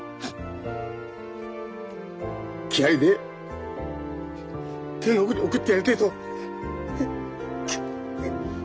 木遣りで天国に送ってやりてえと。